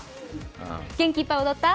元気いっぱい踊った？